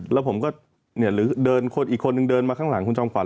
แล้วผมก็เดินอีกคนนึงเดินมาข้างหลังคุณจอมขวัญ